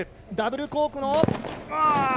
ダブルコークの。